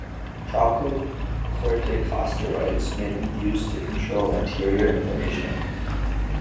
Topical corticosteroids may be used to control anterior inflammation.